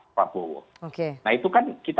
prabowo nah itu kan kita